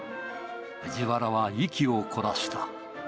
藤原は息をこらした。